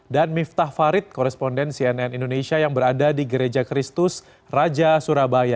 dan miftah farid korresponden cnn indonesia yang berada di gereja kristus raja surabaya